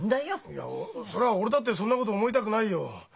いやそりゃ俺だってそんなこと思いたくないよ。